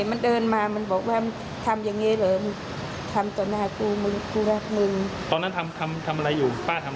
โอ้เขาเห็นป้าทำเตียงนอนเขารับไม่ได้หรือเปล่าไงอ่า